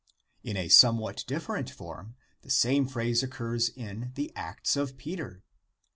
" In a somewhat different form the same phrase occurs in the Acts of Peter.